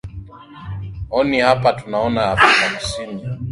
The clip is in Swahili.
oni hapa tunaona afrika kusini na